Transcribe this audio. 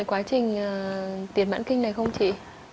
quá trình tiền mãn kinh này không chị